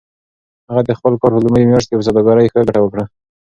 هغه د خپل کار په لومړۍ میاشت کې په سوداګرۍ کې ښه ګټه وکړه.